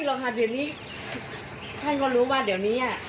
แล้วเด็กก็มื้นอยู่นี่